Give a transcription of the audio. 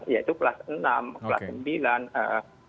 yaitu kelas enam